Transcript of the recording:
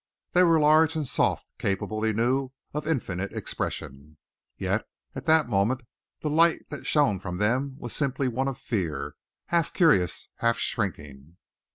They were large and soft, capable, he knew, of infinite expression. Yet at that moment the light that shone from them was simply one of fear, half curious, half shrinking.